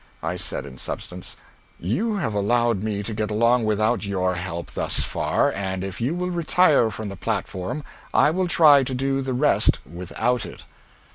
I said in substance: "You have allowed me to get along without your help thus far, and if you will retire from the platform I will try to do the rest without it."